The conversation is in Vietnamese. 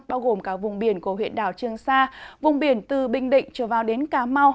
bao gồm cả vùng biển của huyện đảo trương sa vùng biển từ bình định trở vào đến cà mau